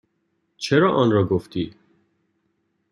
چرا آنرا گفتی؟